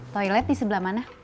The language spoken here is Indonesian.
toilet di sebelah mana